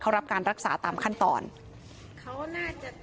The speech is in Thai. เข้ารับการรักษาตามขั้นตอน